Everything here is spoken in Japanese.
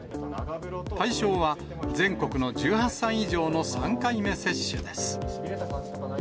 対象は全国の１８歳以上の３回目接種です。